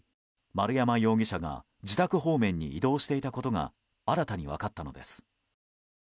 丸山容疑者が自宅方面に移動していたことが新たに分かったのです。